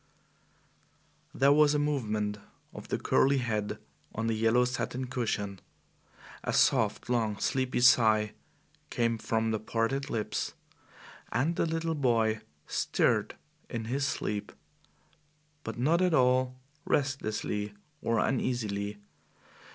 There was a movement of the curly head on the yellow satin cushion. A soft, long, sleepy sigh came from the parted lips, and the little boy stirred in his sleep, but not at all restlessly or uneasily.